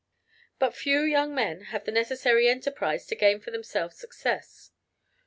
How few young men have the necessary enterprise to gain for themselves success.